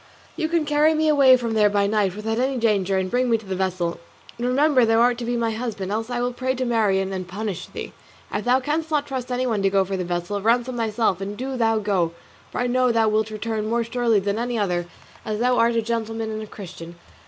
You can carry me away from there by night without any danger, and bring me to the vessel. And remember thou art to be my husband, else I will pray to Marien to punish thee. If thou canst not trust anyone to go for the vessel, ransom thyself and do thou go, for I know thou wilt return more surely than any other, as thou art a gentleman and a Christian.